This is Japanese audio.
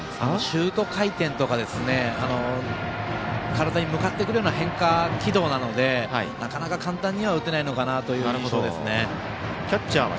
シュート回転とか体に向かってくる変化軌道なのでなかなか簡単には打てないのかなという印象ですね。